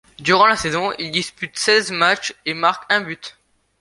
Durant la saison, il dispute seize matchs et marque un but.